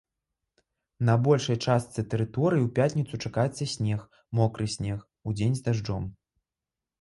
На большай частцы тэрыторыі ў пятніцу чакаецца снег, мокры снег, удзень з дажджом.